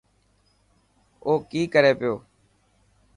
او ڪي ڪري پيو.